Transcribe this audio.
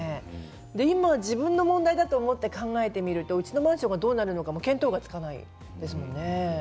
今、自分の問題だと思って考えてみるとうちのマンションはどうなるのか見当がつかないですものね。